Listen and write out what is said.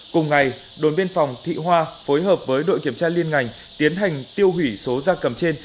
cùng ngày đồn biên phòng thị hoa phối hợp với đội kiểm tra liên ngành tiến hành tiêu hủy số ra cầm trên